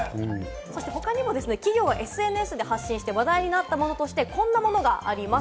他にもですね、企業がＳＮＳで発信して話題になったものとしてこんなものがあります。